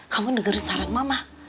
kamu dengerin saran mama